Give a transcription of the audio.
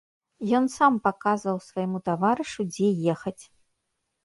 Ён сам паказваў свайму таварышу, дзе ехаць.